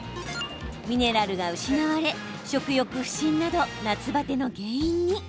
ミネラルが失われ食欲不振など夏バテの原因に。